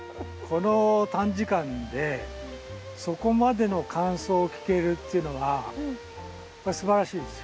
この短時間でそこまでの感想を聞けるっていうのがすばらしいですよ。